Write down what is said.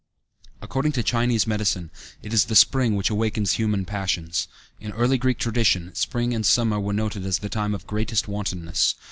According to Chinese medicine, it is the spring which awakens human passions. In early Greek tradition, spring and summer were noted as the time of greatest wantonness.